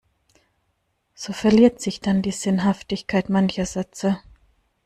So verliert sich dann die Sinnhaftigkeit mancher Sätze.